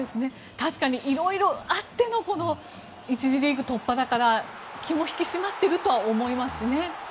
確かに色々あってのこの１次リーグ突破だから気も引き締まっているとは思いますね。